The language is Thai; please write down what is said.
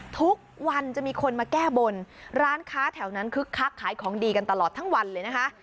ทุกวันจะมีคนมาแก้บนร้านค้าแถวนั้นคึกคักขายของดีกันตลอดทั้งวันเลยนะคะ